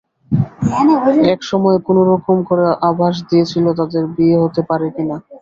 এক সময়ে কোনো রকম করে আভাস দিয়েছিল, তাদের বিয়ে হতে পারে কি না।